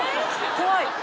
怖い。